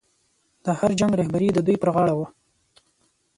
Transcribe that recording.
د هر جنګ رهبري د دوی پر غاړه وه.